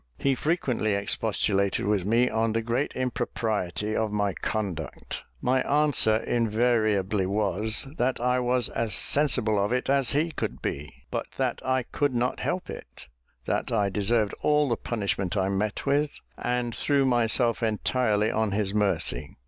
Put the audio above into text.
He frequently expostulated with me on the great impropriety of my conduct; my answer invariably was, that I was as sensible of it as he could be, but that I could not help it; that I deserved all the punishment I met with, and threw myself entirely on his mercy.